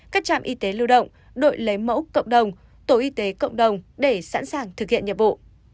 các trạm y tế lưu động đội lấy mẫu cộng đồng tổ y tế cộng đồng để sẵn sàng thực hiện nhiệm vụ